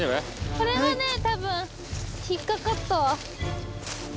これがねたぶん引っかかったわ。